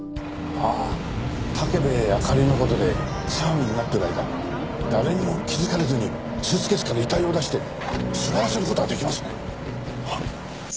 ああ武部あかりの事で騒ぎになってる間誰にも気づかれずにスーツケースから遺体を出して座らせる事はできますね。